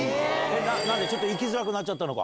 なんで、ちょっと行きづらくなっちゃったのか。